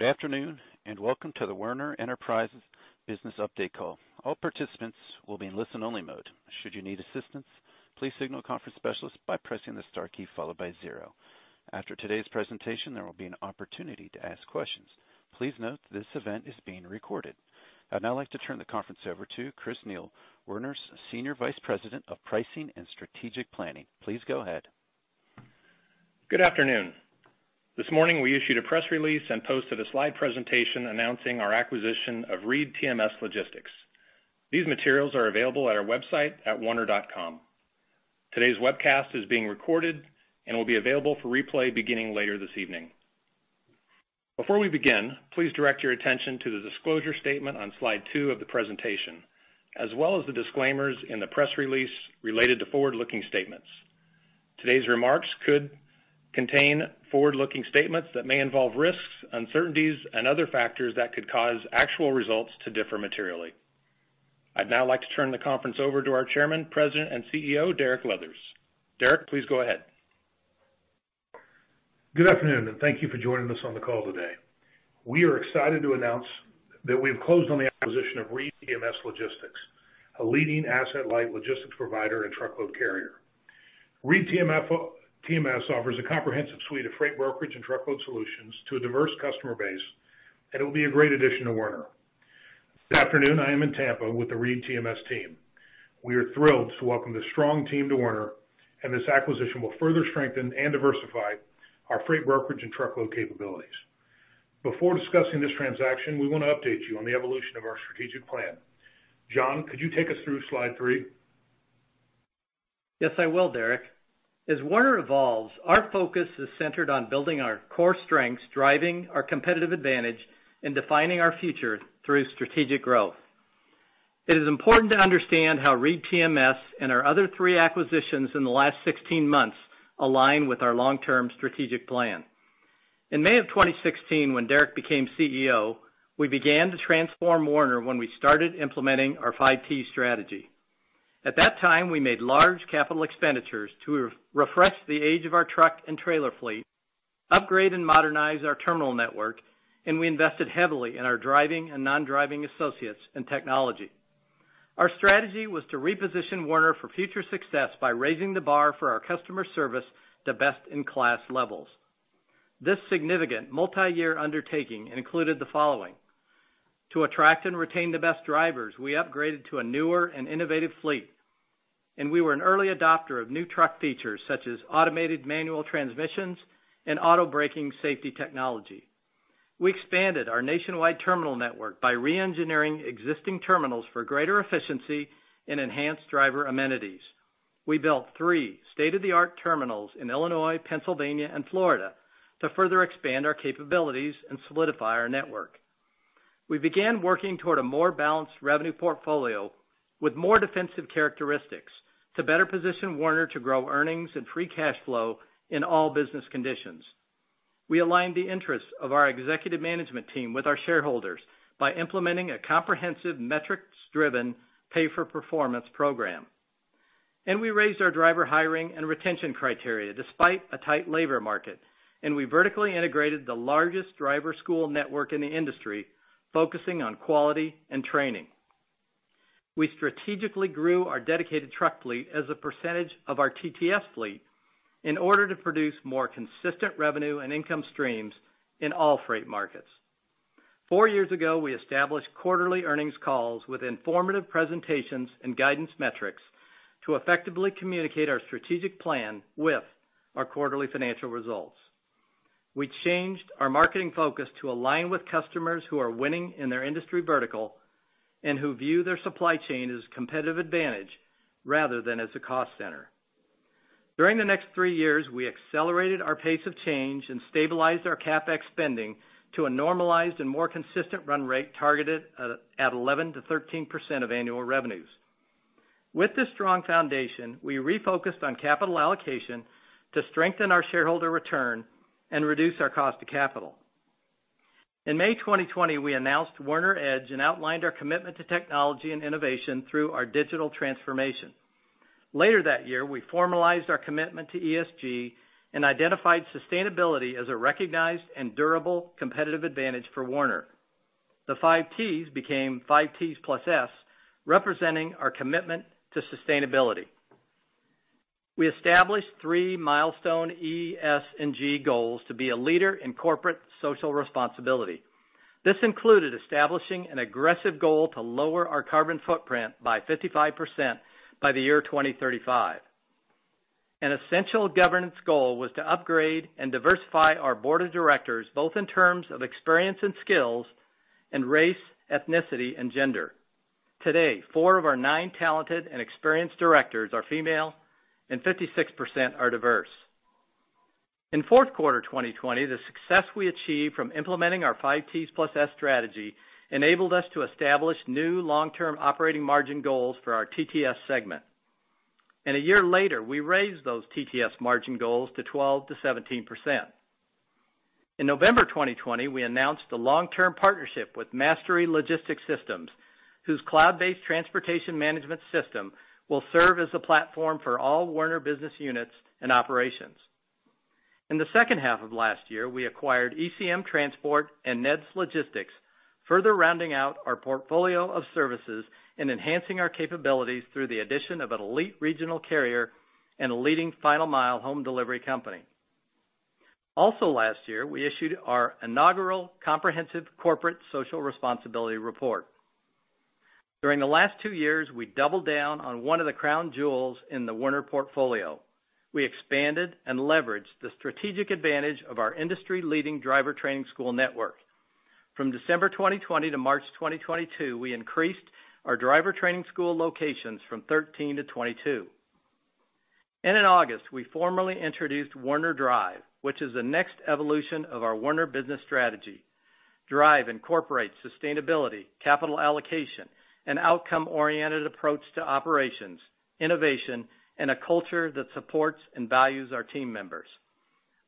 Good afternoon, and welcome to the Werner Enterprises business update call. All participants will be in listen-only mode. Should you need assistance, please signal the conference specialist by pressing the star key followed by zero. After today's presentation, there will be an opportunity to ask questions. Please note this event is being recorded. I'd now like to turn the conference over to Chris Neal, Werner's Senior Vice President of Pricing and Strategic Planning. Please go ahead. Good afternoon. This morning, we issued a press release and posted a slide presentation announcing our acquisition of ReedTMS Logistics. These materials are available at our website at werner.com. Today's webcast is being recorded and will be available for replay beginning later this evening. Before we begin, please direct your attention to the disclosure statement on slide two of the presentation, as well as the disclaimers in the press release related to forward-looking statements. Today's remarks could contain forward-looking statements that may involve risks, uncertainties, and other factors that could cause actual results to differ materially. I'd now like to turn the conference over to our Chairman, President, and CEO, Derek Leathers. Derek, please go ahead. Good afternoon, and thank you for joining us on the call today. We are excited to announce that we've closed on the acquisition of ReedTMS Logistics, a leading asset-light logistics provider and truckload carrier. ReedTMS offers a comprehensive suite of freight brokerage and truckload solutions to a diverse customer base, and it'll be a great addition to Werner. This afternoon, I am in Tampa with the ReedTMS team. We are thrilled to welcome this strong team to Werner, and this acquisition will further strengthen and diversify our freight brokerage and truckload capabilities. Before discussing this transaction, we wanna update you on the evolution of our strategic plan. John, could you take us through slide three? Yes, I will, Derek. As Werner evolves, our focus is centered on building our core strengths, driving our competitive advantage, and defining our future through strategic growth. It is important to understand how ReedTMS and our other three acquisitions in the last 16 months align with our long-term strategic plan. In May of 2016, when Derek became CEO, we began to transform Werner when we started implementing our 5 Ts strategy. At that time, we made large capital expenditures to refresh the age of our truck and trailer fleet, upgrade and modernize our terminal network, and we invested heavily in our driving and non-driving associates and technology. Our strategy was to reposition Werner for future success by raising the bar for our customer service to best-in-class levels. This significant multi-year undertaking included the following. To attract and retain the best drivers, we upgraded to a newer and innovative fleet, and we were an early adopter of new truck features such as automated manual transmissions and auto-braking safety technology. We expanded our nationwide terminal network by re-engineering existing terminals for greater efficiency and enhanced driver amenities. We built three state-of-the-art terminals in Illinois, Pennsylvania, and Florida to further expand our capabilities and solidify our network. We began working toward a more balanced revenue portfolio with more defensive characteristics to better position Werner to grow earnings and free cash flow in all business conditions. We aligned the interests of our executive management team with our shareholders by implementing a comprehensive, metrics-driven pay-for-performance program. We raised our driver hiring and retention criteria despite a tight labor market, and we vertically integrated the largest driver school network in the industry, focusing on quality and training. We strategically grew our dedicated truck fleet as a percentage of our TTS fleet in order to produce more consistent revenue and income streams in all freight markets. Four years ago, we established quarterly earnings calls with informative presentations and guidance metrics to effectively communicate our strategic plan with our quarterly financial results. We changed our marketing focus to align with customers who are winning in their industry vertical and who view their supply chain as competitive advantage rather than as a cost center. During the next three years, we accelerated our pace of change and stabilized our CapEx spending to a normalized and more consistent run rate targeted at 11%-13% of annual revenues. With this strong foundation, we refocused on capital allocation to strengthen our shareholder return and reduce our cost of capital. In May 2020, we announced Werner EDGE and outlined our commitment to technology and innovation through our digital transformation. Later that year, we formalized our commitment to ESG and identified sustainability as a recognized and durable competitive advantage for Werner. The 5 Ts became 5 Ts + S, representing our commitment to sustainability. We established three milestone E, S, and G goals to be a leader in corporate social responsibility. This included establishing an aggressive goal to lower our carbon footprint by 55% by the year 2035. An essential governance goal was to upgrade and diversify our board of directors, both in terms of experience and skills and race, ethnicity, and gender. Today, four of our nine talented and experienced directors are female, and 56% are diverse. In fourth quarter 2020, the success we achieved from implementing our 5 Ts + S strategy enabled us to establish new long-term operating margin goals for our TTS segment. A year later, we raised those TTS margin goals to 12%-17%. In November 2020, we announced a long-term partnership with Mastery Logistics Systems, whose cloud-based transportation management system will serve as the platform for all Werner business units and operations. In the second half of last year, we acquired ECM Transport and NEHDS Logistics, further rounding out our portfolio of services and enhancing our capabilities through the addition of an elite regional carrier and a leading final mile home delivery company. Also last year, we issued our inaugural comprehensive corporate social responsibility report. During the last two years, we doubled down on one of the crown jewels in the Werner portfolio. We expanded and leveraged the strategic advantage of our industry-leading driver training school network. From December 2020 to March 2022, we increased our driver training school locations from 13-22. In August, we formally introduced Werner DRIVE, which is the next evolution of our Werner business strategy. DRIVE incorporates sustainability, capital allocation, and outcome-oriented approach to operations, innovation, and a culture that supports and values our team members.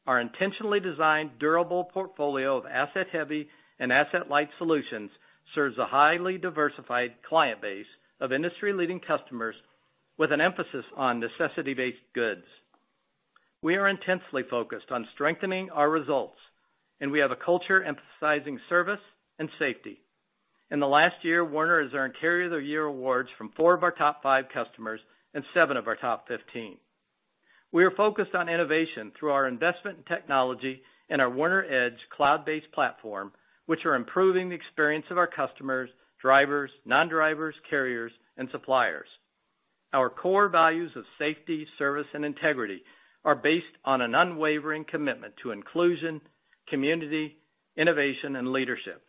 Our intentionally designed durable portfolio of asset-heavy and asset-light solutions serves a highly diversified client base of industry-leading customers with an emphasis on necessity-based goods. We are intensely focused on strengthening our results, and we have a culture emphasizing service and safety. In the last year, Werner has earned Carrier of the Year awards from four of our top five customers and seven of our top fifteen. We are focused on innovation through our investment in technology and our Werner EDGE cloud-based platform, which are improving the experience of our customers, drivers, non-drivers, carriers, and suppliers. Our core values of safety, service, and integrity are based on an unwavering commitment to inclusion, community, innovation, and leadership.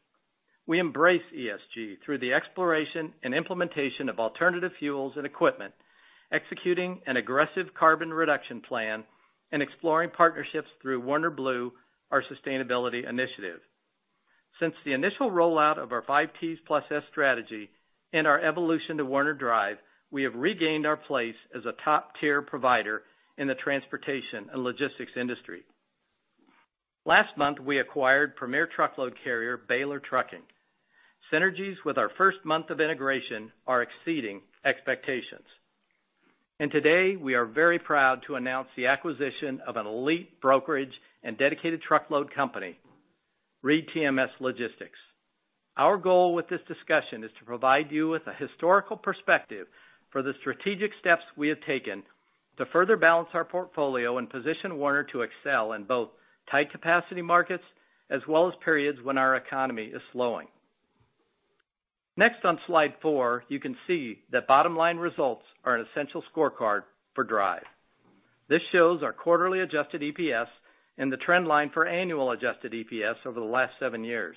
We embrace ESG through the exploration and implementation of alternative fuels and equipment, executing an aggressive carbon reduction plan and exploring partnerships through Werner Blue, our sustainability initiative. Since the initial rollout of our 5 Ts + S strategy and our evolution to Werner DRIVE, we have regained our place as a top-tier provider in the transportation and logistics industry. Last month, we acquired premier truckload carrier, Baylor Trucking. Synergies with our first month of integration are exceeding expectations. Today, we are very proud to announce the acquisition of an elite brokerage and dedicated truckload company, ReedTMS Logistics. Our goal with this discussion is to provide you with a historical perspective for the strategic steps we have taken to further balance our portfolio and position Werner to excel in both tight capacity markets as well as periods when our economy is slowing. Next on slide four, you can see that bottom-line results are an essential scorecard for DRIVE. This shows our quarterly adjusted EPS and the trend line for annual adjusted EPS over the last seven years.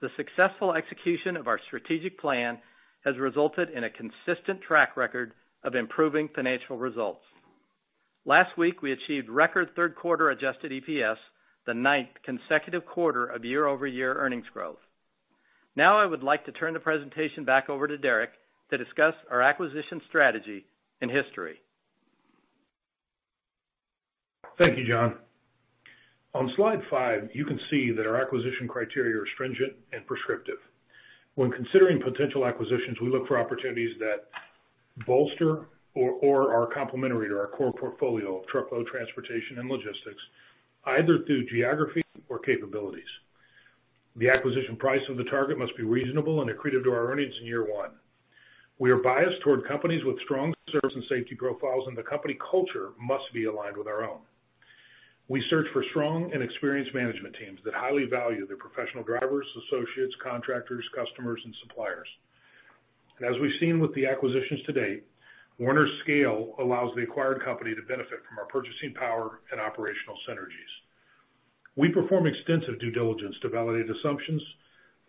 The successful execution of our strategic plan has resulted in a consistent track record of improving financial results. Last week, we achieved record third quarter adjusted EPS, the ninth consecutive quarter of year-over-year earnings growth. Now, I would like to turn the presentation back over to Derek to discuss our acquisition strategy and history. Thank you, John. On slide five, you can see that our acquisition criteria are stringent and prescriptive. When considering potential acquisitions, we look for opportunities that bolster or are complementary to our core portfolio of truckload transportation and logistics, either through geography or capabilities. The acquisition price of the target must be reasonable and accretive to our earnings in year one. We are biased toward companies with strong service and safety profiles, and the company culture must be aligned with our own. We search for strong and experienced management teams that highly value their professional drivers, associates, contractors, customers, and suppliers. As we've seen with the acquisitions to date, Werner's scale allows the acquired company to benefit from our purchasing power and operational synergies. We perform extensive due diligence to validate assumptions,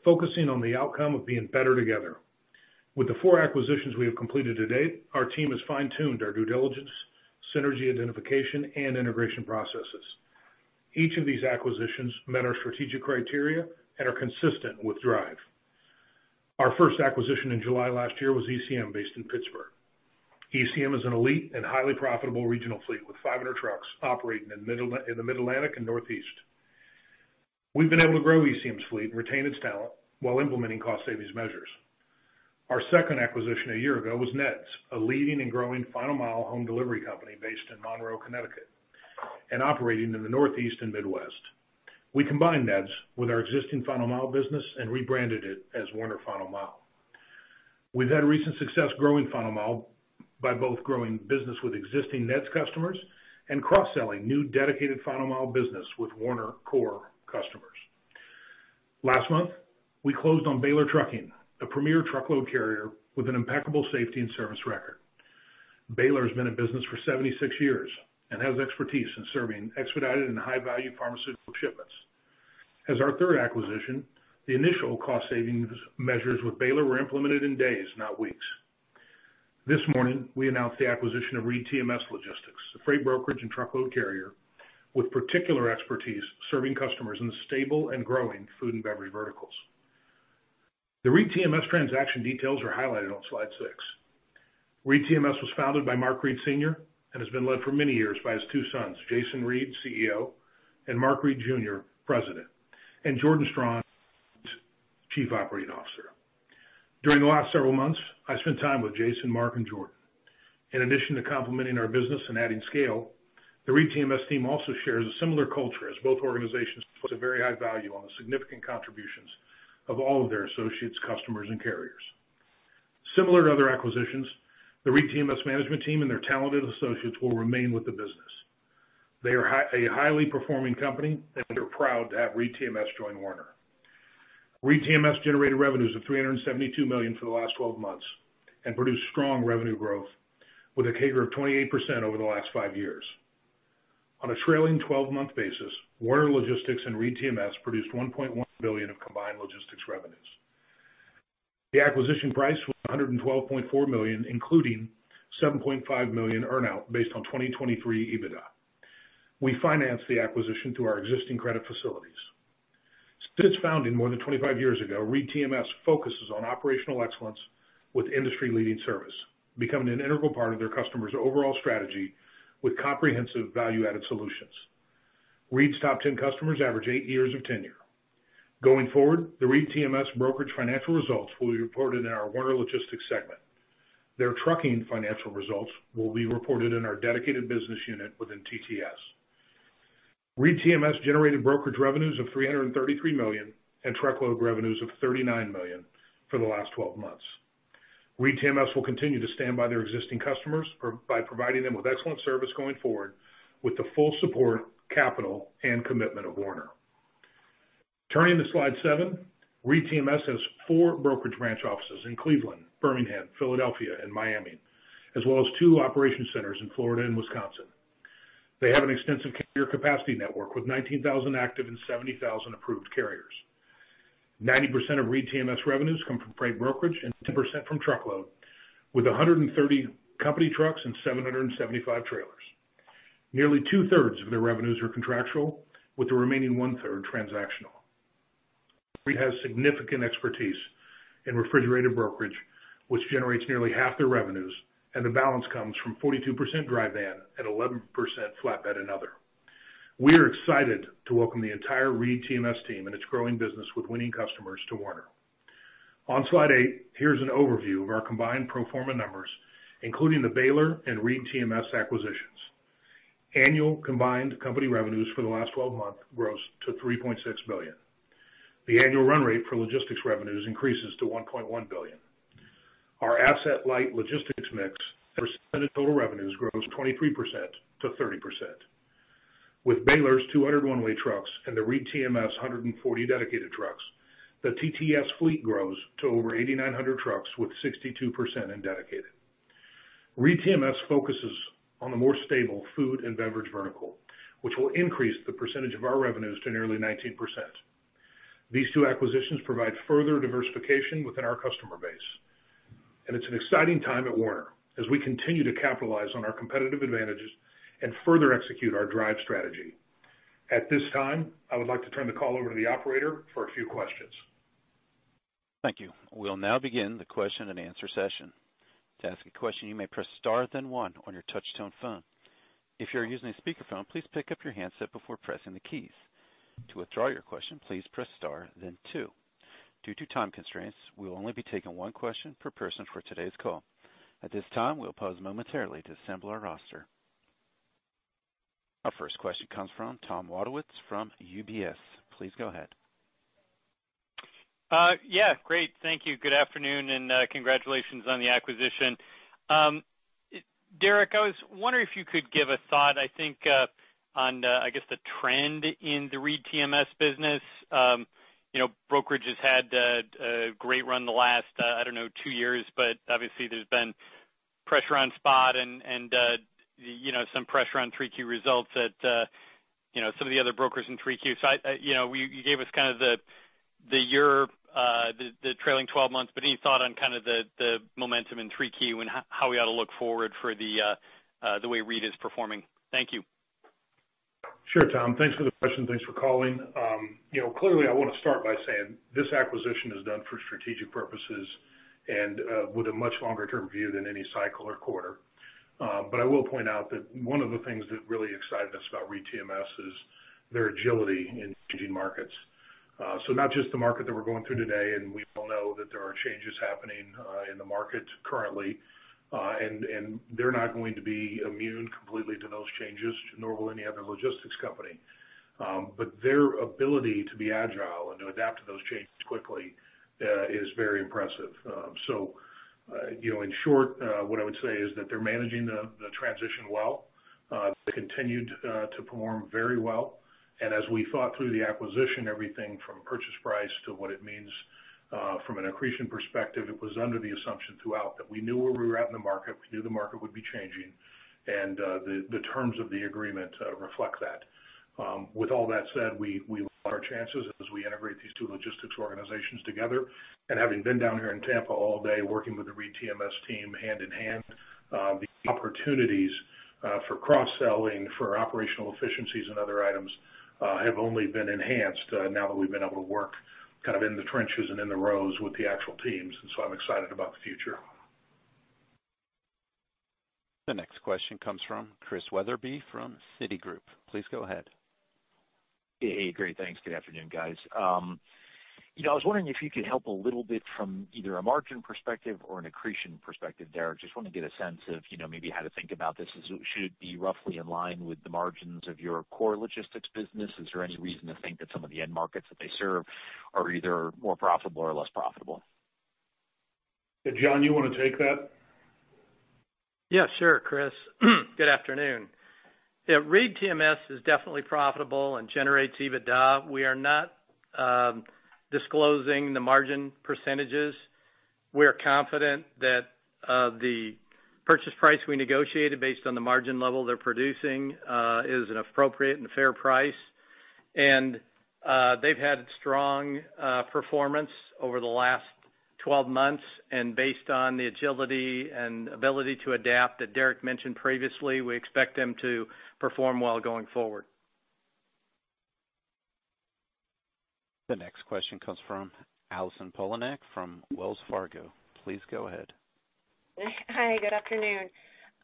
focusing on the outcome of being better together. With the four acquisitions we have completed to date, our team has fine-tuned our due diligence, synergy identification, and integration processes. Each of these acquisitions met our strategic criteria and are consistent with DRIVE. Our first acquisition in July last year was ECM, based in Pittsburgh. ECM is an elite and highly profitable regional fleet with 500 trucks operating in the Mid-Atlantic and Northeast. We've been able to grow ECM's fleet and retain its talent while implementing cost savings measures. Our second acquisition a year ago was NEHDS, a leading and growing final mile home delivery company based in Monroe, Connecticut, and operating in the Northeast and Midwest. We combined NEHDS with our existing final mile business and rebranded it as Werner Final Mile. We've had recent success growing Final Mile by both growing business with existing NEHDS customers and cross-selling new dedicated Final Mile business with Werner core customers. Last month, we closed on Baylor Trucking, a premier truckload carrier with an impeccable safety and service record. Baylor has been in business for 76 years and has expertise in serving expedited and high-value pharmaceutical shipments. As our third acquisition, the initial cost savings measures with Baylor were implemented in days, not weeks. This morning, we announced the acquisition of ReedTMS Logistics, a freight brokerage and truckload carrier with particular expertise serving customers in the stable and growing food and beverage verticals. The ReedTMS Logistics transaction details are highlighted on slide six. ReedTMS Logistics was founded by Mark Reed Sr. It has been led for many years by his two sons, Jason Reed, CEO, and Mark Reed Jr., President, and Jordan Strawn, Chief Operating Officer. During the last several months, I spent time with Jason, Mark, and Eric. In addition to complementing our business and adding scale, the ReedTMS team also shares a similar culture as both organizations put a very high value on the significant contributions of all of their associates, customers, and carriers. Similar to other acquisitions, the ReedTMS management team and their talented associates will remain with the business. They are a highly performing company, and they're proud to have ReedTMS join Werner. ReedTMS generated revenues of $372 million for the last twelve months and produced strong revenue growth with a CAGR of 28% over the last five years. On a trailing 12-month basis, Werner Logistics and ReedTMS produced $1.1 billion of combined logistics revenues. The acquisition price was $112.4 million, including $7.5 million earn-out based on 2023 EBITDA. We financed the acquisition through our existing credit facilities. Since founding more than 25 years ago, ReedTMS focuses on operational excellence with industry-leading service, becoming an integral part of their customers' overall strategy with comprehensive value-added solutions. Reed's top 10 customers average eight years of tenure. Going forward, the ReedTMS brokerage financial results will be reported in our Werner Logistics segment. Their trucking financial results will be reported in our dedicated business unit within TTS. ReedTMS generated brokerage revenues of $333 million and truckload revenues of $39 million for the last 12 months. ReedTMS will continue to stand by their existing customers by providing them with excellent service going forward with the full support, capital, and commitment of Werner. Turning to slide seven. ReedTMS has four brokerage branch offices in Cleveland, Birmingham, Philadelphia, and Miami, as well as two operations centers in Florida and Wisconsin. They have an extensive carrier capacity network with 19,000 active and 70,000 approved carriers. 90% of ReedTMS revenues come from freight brokerage and 10% from truckload, with 130 company trucks and 775 trailers. Nearly 2/3 of their revenues are contractual, with the remaining 1/3 transactional. Reed has significant expertise in refrigerated brokerage, which generates nearly half their revenues, and the balance comes from 42% dry van and 11% flatbed and other. We are excited to welcome the entire ReedTMS team and its growing business with winning customers to Werner. On slide eight, here's an overview of our combined pro forma numbers, including the Baylor and ReedTMS acquisitions. Annual combined company revenues for the last 12 months grows to $3.6 billion. The annual run rate for logistics revenues increases to $1.1 billion. Our asset-light logistics mix and percentage of total revenues grows 23% to 30%. With Baylor's 200 one-way trucks and the ReedTMS 140 dedicated trucks, the TTS fleet grows to over 8,900 trucks with 62% in dedicated. ReedTMS focuses on the more stable food and beverage vertical, which will increase the percentage of our revenues to nearly 19%. These two acquisitions provide further diversification within our customer base, and it's an exciting time at Werner as we continue to capitalize on our competitive advantages and further execute our DRIVE strategy. At this time, I would like to turn the call over to the operator for a few questions. Thank you. We'll now begin the question-and-answer session. To ask a question, you may press star, then one on your touch-tone phone. If you're using a speakerphone, please pick up your handset before pressing the keys. To withdraw your question, please press star then two. Due to time constraints, we will only be taking one question per person for today's call. At this time, we'll pause momentarily to assemble our roster. Our first question comes from Tom Wadewitz from UBS. Please go ahead. Yeah, great. Thank you. Good afternoon, and congratulations on the acquisition. Derek, I was wondering if you could give a thought, I think, on the, I guess, the trend in the ReedTMS business. You know, brokerage has had a great run the last, I don't know, two years, but obviously there's been pressure on spot and, you know, some pressure on 3Q results at, you know, some of the other brokers in 3Q. I, you know, you gave us kind of the year, the trailing twelve months, but any thought on kind of the momentum in 3Q and how we ought to look forward for the way Reed is performing? Thank you. Sure, Tom. Thanks for the question. Thanks for calling. You know, clearly, I want to start by saying this acquisition is done for strategic purposes and with a much longer-term view than any cycle or quarter. But I will point out that one of the things that really excited us about ReedTMS is their agility in changing markets. So not just the market that we're going through today, and we all know that there are changes happening in the market currently, and they're not going to be immune completely to those changes, nor will any other logistics company. But their ability to be agile and to adapt to those changes quickly is very impressive. You know, in short, what I would say is that they're managing the transition well. They continued to perform very well. As we thought through the acquisition, everything from purchase price to what it means from an accretion perspective, it was under the assumption throughout that we knew where we were at in the market, we knew the market would be changing, and the terms of the agreement reflect that. With all that said, we like our chances as we integrate these two logistics organizations together. Having been down here in Tampa all day working with the ReedTMS team hand in hand, the opportunities for cross-selling, for operational efficiencies and other items have only been enhanced now that we've been able to work kind of in the trenches and in the rows with the actual teams. I'm excited about the future. The next question comes from Christian Wetherbee from Citigroup. Please go ahead. Hey, great. Thanks. Good afternoon, guys. You know, I was wondering if you could help a little bit from either a margin perspective or an accretion perspective, Derek. Just wanna get a sense of, you know, maybe how to think about this. Should it be roughly in line with the margins of your core logistics business? Is there any reason to think that some of the end markets that they serve are either more profitable or less profitable? Hey, John, you wanna take that? Yeah, sure, Chris. Good afternoon. Yeah, ReedTMS is definitely profitable and generates EBITDA. We are not disclosing the margin percentages. We are confident that the purchase price we negotiated based on the margin level they're producing is an appropriate and fair price. They've had strong performance over the last 12 months. Based on the agility and ability to adapt that Derek mentioned previously, we expect them to perform well going forward. The next question comes from Allison Poliniak-Cusic from Wells Fargo. Please go ahead. Hi, good afternoon.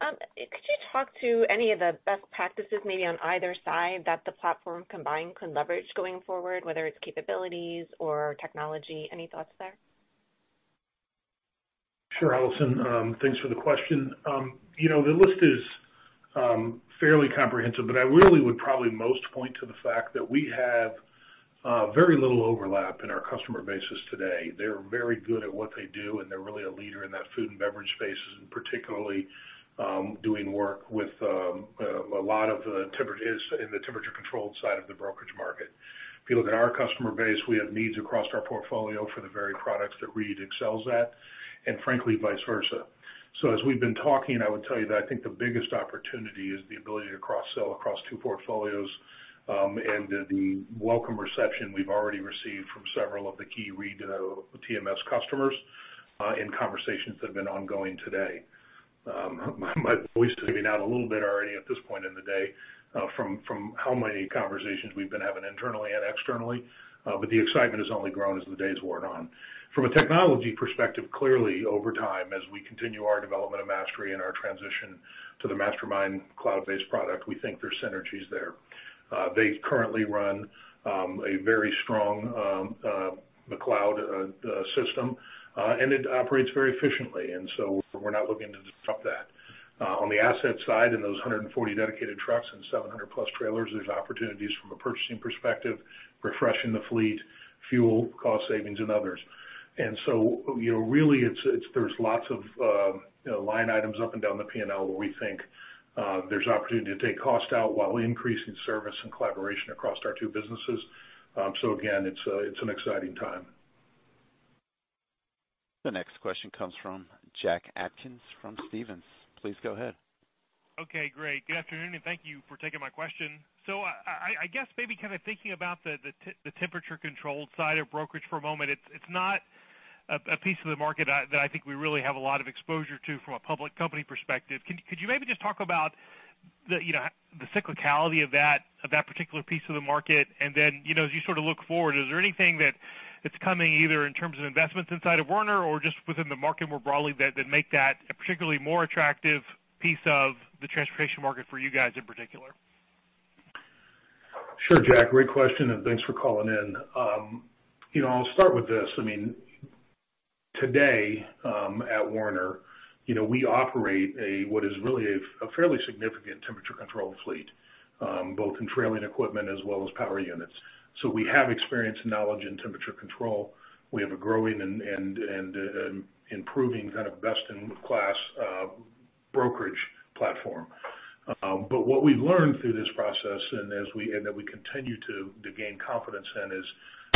Could you talk to any of the best practices, maybe on either side, that the platform combined can leverage going forward, whether it's capabilities or technology? Any thoughts there? Sure, Allison. Thanks for the question. You know, the list is fairly comprehensive, but I really would probably most point to the fact that we have very little overlap in our customer bases today. They're very good at what they do, and they're really a leader in that food and beverage space, and particularly doing work with a lot of the temperature is in the temperature-controlled side of the brokerage market. If you look at our customer base, we have needs across our portfolio for the very products that Reed excels at, and frankly, vice versa. As we've been talking, I would tell you that I think the biggest opportunity is the ability to cross-sell across two portfolios, and the welcome reception we've already received from several of the key ReedTMS customers, in conversations that have been ongoing today. My voice is giving out a little bit already at this point in the day, from how many conversations we've been having internally and externally, but the excitement has only grown as the days wore on. From a technology perspective, clearly over time, as we continue our development of Mastery and our transition to the MasterMind cloud-based product, we think there's synergies there. They currently run a very strong McLeod system, and it operates very efficiently. We're not looking to disrupt that. On the asset side, in those 140 dedicated trucks and 700+ trailers, there's opportunities from a purchasing perspective, refreshing the fleet, fuel cost savings, and others. You know, really, there's lots of, you know, line items up and down the P&L where we think there's opportunity to take cost out while increasing service and collaboration across our two businesses. Again, it's an exciting time. The next question comes from Jack Atkins from Stephens. Please go ahead. Okay, great. Good afternoon, and thank you for taking my question. I guess maybe kind of thinking about the temperature-controlled side of brokerage for a moment. It's not a piece of the market that I think we really have a lot of exposure to from a public company perspective. Could you maybe just talk about you know, the cyclicality of that particular piece of the market? And then, you know, as you sort of look forward, is there anything that's coming, either in terms of investments inside of Werner or just within the market more broadly, that make that a particularly more attractive piece of the transportation market for you guys in particular? Sure, Jack. Great question, and thanks for calling in. You know, I'll start with this. I mean, today, at Werner, you know, we operate what is really a fairly significant temperature-controlled fleet, both in trailer equipment as well as power units. We have experience and knowledge in temperature control. We have a growing and improving kind of best-in-class brokerage platform. But what we've learned through this process, and that we continue to gain confidence in, is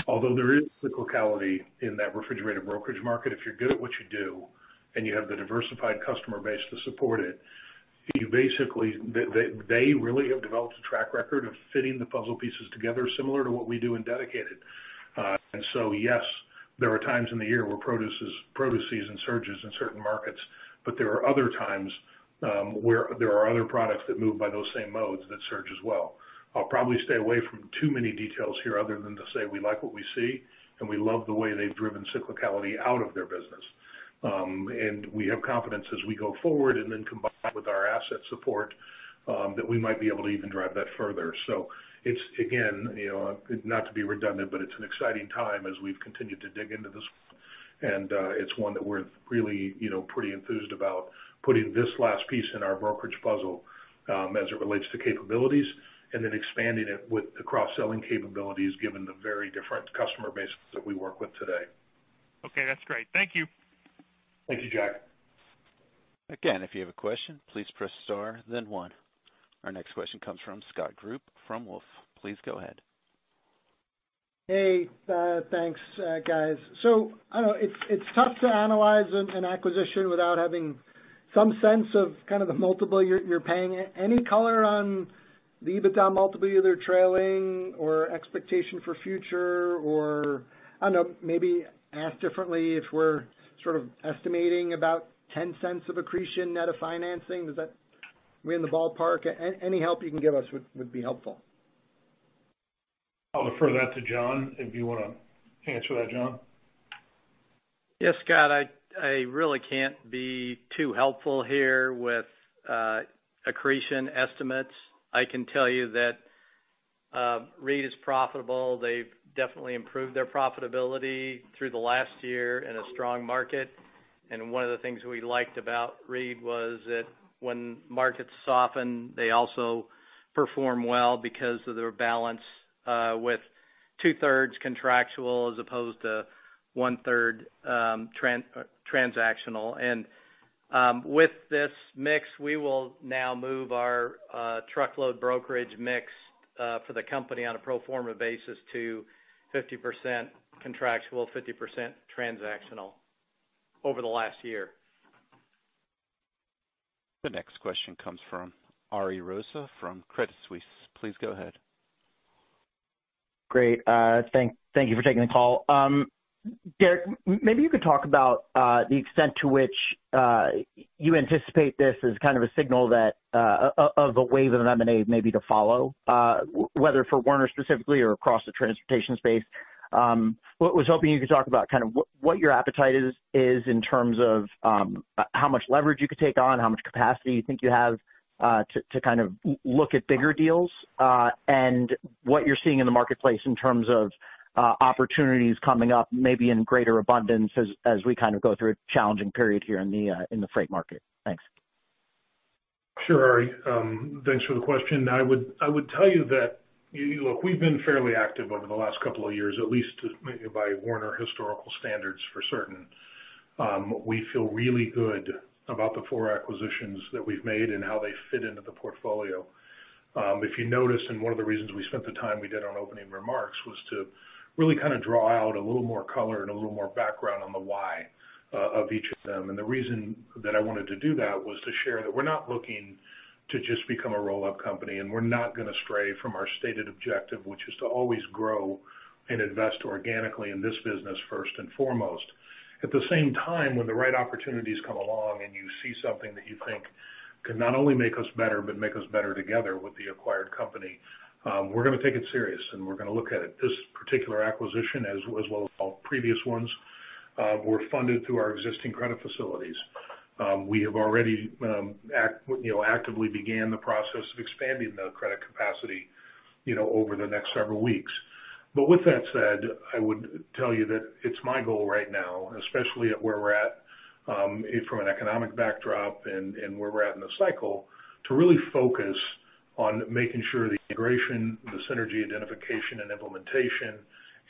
although there is cyclicality in that refrigerated brokerage market, if you're good at what you do and you have the diversified customer base to support it, you basically. They really have developed a track record of fitting the puzzle pieces together similar to what we do in dedicated. Yes, there are times in the year where produce season surges in certain markets, but there are other times where there are other products that move by those same modes that surge as well. I'll probably stay away from too many details here other than to say we like what we see, and we love the way they've driven cyclicality out of their business. We have confidence as we go forward and then combined with our asset support that we might be able to even drive that further. It's again, you know, not to be redundant, but it's an exciting time as we've continued to dig into this, and it's one that we're really, you know, pretty enthused about, putting this last piece in our brokerage puzzle, as it relates to capabilities and then expanding it with the cross-selling capabilities, given the very different customer bases that we work with today. Okay, that's great. Thank you. Thank you, Jack. Again, if you have a question, please press star then one. Our next question comes from Scott Group from Wolfe. Please go ahead. Hey, thanks, guys. I know it's tough to analyze an acquisition without having some sense of kind of the multiple you're paying. Any color on the EBITDA multiple either trailing or expectation for future or I don't know, maybe ask differently if we're sort of estimating about $0.10 of accretion net of financing. Are we in the ballpark? Any help you can give us would be helpful. I'll refer that to John, if you wanna answer that, John. Yes, Scott, I really can't be too helpful here with accretion estimates. I can tell you that Reed is profitable. They've definitely improved their profitability through the last year in a strong market. One of the things we liked about Reed was that when markets soften, they also perform well because of their balance with two-thirds contractual as opposed to 1/3 transactional. With this mix, we will now move our truckload brokerage mix for the company on a pro forma basis to 50% contractual, 50% transactional over the last year. The next question comes from Ari Rosa from Credit Suisse. Please go ahead. Great. Thank you for taking the call. Derek, maybe you could talk about the extent to which you anticipate this as kind of a signal that of the wave of M&A maybe to follow, whether for Werner specifically or across the transportation space. Was hoping you could talk about kind of what your appetite is in terms of how much leverage you could take on, how much capacity you think you have to kind of look at bigger deals, and what you're seeing in the marketplace in terms of opportunities coming up maybe in greater abundance as we kind of go through a challenging period here in the freight market. Thanks. Sure, Ari, thanks for the question. I would tell you that, look, we've been fairly active over the last couple of years, at least maybe by Werner historical standards for certain. We feel really good about the four acquisitions that we've made and how they fit into the portfolio. If you notice, one of the reasons we spent the time we did on opening remarks was to really kind of draw out a little more color and a little more background on the why of each of them. The reason that I wanted to do that was to share that we're not looking to just become a roll-up company, and we're not gonna stray from our stated objective, which is to always grow and invest organically in this business first and foremost. At the same time, when the right opportunities come along and you see something that you think can not only make us better, but make us better together with the acquired company, we're gonna take it serious, and we're gonna look at it. This particular acquisition, as well as all previous ones, were funded through our existing credit facilities. We have already, you know, actively began the process of expanding the credit capacity, you know, over the next several weeks. With that said, I would tell you that it's my goal right now, especially at where we're at, from an economic backdrop and where we're at in the cycle, to really focus on making sure the integration, the synergy identification and implementation,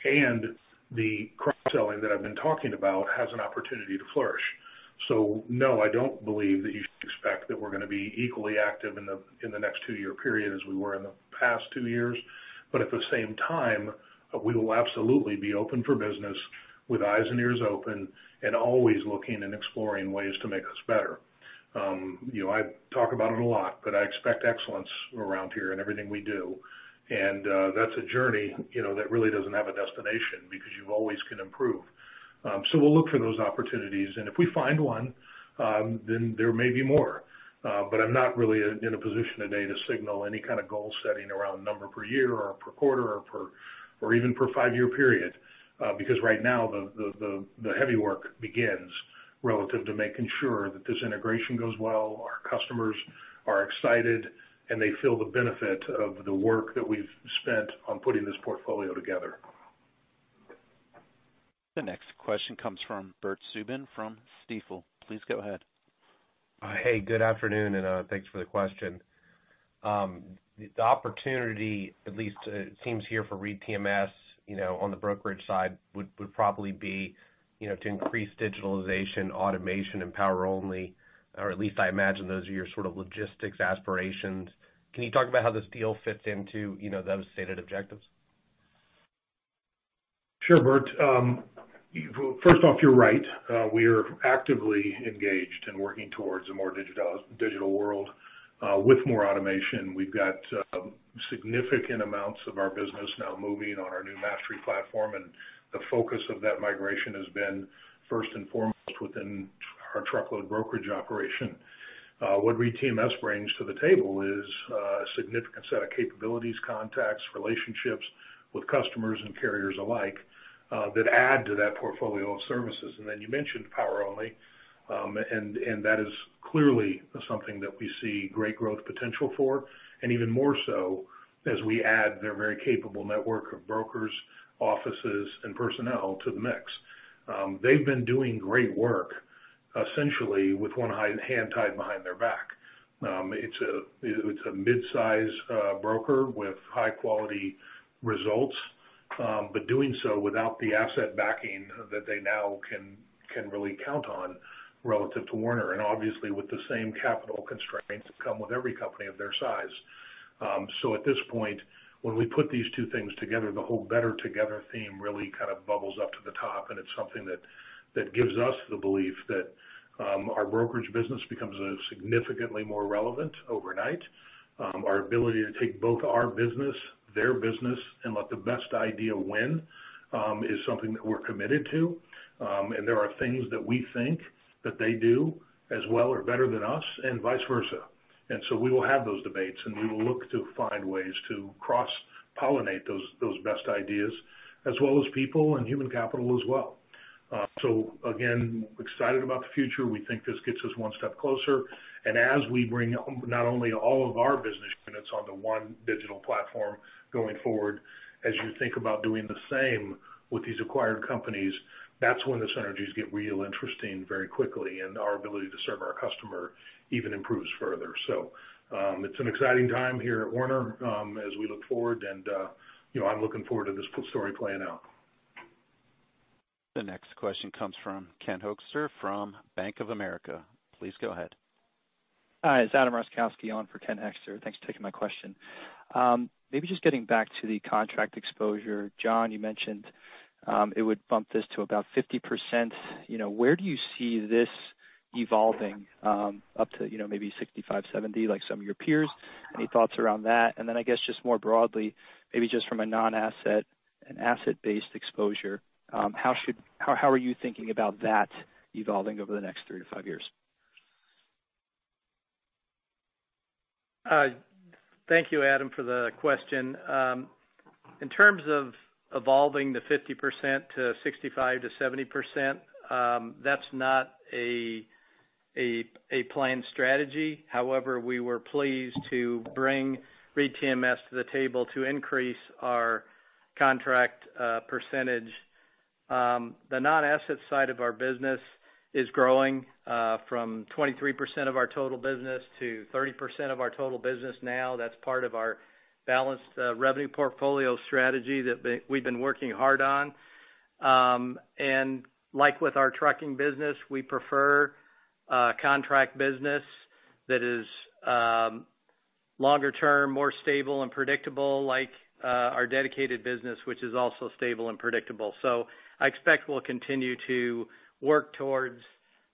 and the cross-selling that I've been talking about has an opportunity to flourish. No, I don't believe that you should expect that we're gonna be equally active in the next two-year period as we were in the past two years. At the same time, we will absolutely be open for business with eyes and ears open and always looking and exploring ways to make us better. You know, I talk about it a lot, but I expect excellence around here in everything we do. That's a journey, you know, that really doesn't have a destination because you always can improve. We'll look for those opportunities, and if we find one, then there may be more. I'm not really in a position today to signal any kind of goal setting around number per year or per quarter or per, or even per five-year period, because right now, the heavy work begins relative to making sure that this integration goes well, our customers are excited, and they feel the benefit of the work that we've spent on putting this portfolio together. The next question comes from Bert Subin from Stifel. Please go ahead. Hey, good afternoon, and thanks for the question. The opportunity, at least it seems here for ReedTMS, you know, on the brokerage side, would probably be, you know, to increase digitalization, automation, and power only, or at least I imagine those are your sort of logistics aspirations. Can you talk about how this deal fits into, you know, those stated objectives? Sure, Bert. First off, you're right. We are actively engaged in working towards a more digital world with more automation. We've got significant amounts of our business now moving on our new Mastery platform, and the focus of that migration has been first and foremost within our truckload brokerage operation. What ReedTMS brings to the table is a significant set of capabilities, contacts, relationships with customers and carriers alike that add to that portfolio of services. You mentioned power only, and that is clearly something that we see great growth potential for, and even more so as we add their very capable network of brokers, offices, and personnel to the mix. They've been doing great work, essentially with one hand tied behind their back. It's a mid-size broker with high-quality results, but doing so without the asset backing that they now can really count on relative to Werner, and obviously with the same capital constraints that come with every company of their size. At this point, when we put these two things together, the whole better together theme really kind of bubbles up to the top, and it's something that gives us the belief that our brokerage business becomes significantly more relevant overnight. Our ability to take both our business, their business, and let the best idea win is something that we're committed to. There are things that we think that they do as well or better than us and vice versa. We will have those debates, and we will look to find ways to cross-pollinate those best ideas as well as people and human capital as well. Again, excited about the future. We think this gets us one step closer. As we bring on not only all of our business units onto one digital platform going forward, as you think about doing the same with these acquired companies, that's when the synergies get really interesting very quickly and our ability to serve our customer even improves further. It's an exciting time here at Werner, as we look forward and, you know, I'm looking forward to this story playing out. The next question comes from Ken Hoexter from Bank of America. Please go ahead. Hi. It's Adam Roszkowski on for Ken Hoexter. Thanks for taking my question. Maybe just getting back to the contract exposure. John, you mentioned it would bump this to about 50%. You know, where do you see this evolving up to, you know, maybe 65%, 70%, like some of your peers? Any thoughts around that? Then I guess just more broadly, maybe just from a non-asset and asset-based exposure, how are you thinking about that evolving over the next three to five years? Thank you, Adam, for the question. In terms of evolving the 50% to 65% to 70%, that's not a planned strategy. However, we were pleased to bring ReedTMS to the table to increase our contract percentage. The non-asset side of our business is growing from 23% of our total business to 30% of our total business now. That's part of our balanced revenue portfolio strategy that we've been working hard on. Like with our trucking business, we prefer contract business that is longer term, more stable and predictable like our dedicated business, which is also stable and predictable. I expect we'll continue to work towards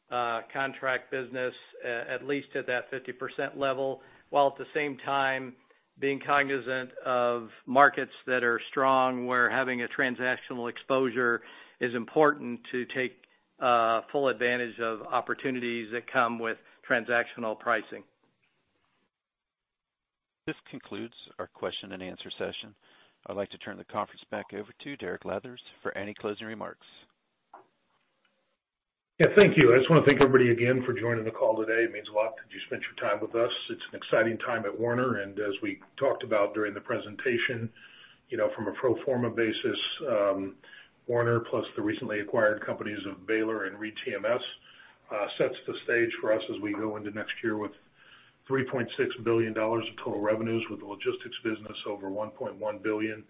contract business at least at that 50% level, while at the same time being cognizant of markets that are strong, where having a transactional exposure is important to take full advantage of opportunities that come with transactional pricing. This concludes our question and answer session. I'd like to turn the conference back over to Derek Leathers for any closing remarks. Yeah, thank you. I just wanna thank everybody again for joining the call today. It means a lot that you spent your time with us. It's an exciting time at Werner, and as we talked about during the presentation, you know, from a pro forma basis, Werner plus the recently acquired companies of Baylor and ReedTMS sets the stage for us as we go into next year with $3.6 billion of total revenues, with the logistics business over $1.1 billion,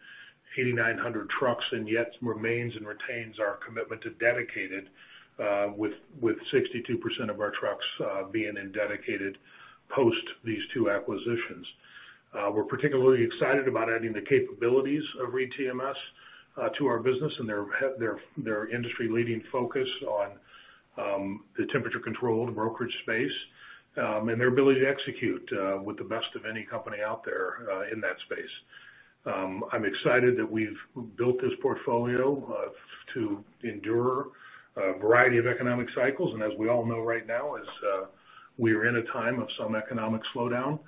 8,900 trucks, and yet remains and retains our commitment to dedicated, with 62% of our trucks being in dedicated post these two acquisitions. We're particularly excited about adding the capabilities of ReedTMS to our business and their industry-leading focus on the temperature-controlled brokerage space and their ability to execute with the best of any company out there in that space. I'm excited that we've built this portfolio to endure a variety of economic cycles. As we all know, right now we are in a time of some economic slowdown.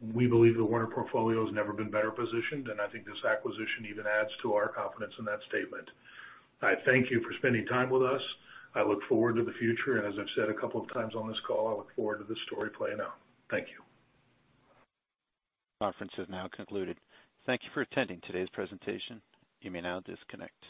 We believe the Werner portfolio has never been better positioned, and I think this acquisition even adds to our confidence in that statement. I thank you for spending time with us. I look forward to the future, and as I've said a couple of times on this call, I look forward to this story playing out. Thank you. Conference is now concluded. Thank you for attending today's presentation. You may now disconnect.